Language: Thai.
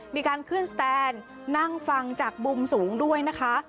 มีการขึ้นสแตนนั่งฟังจากมุมสูงด้วยนะคะ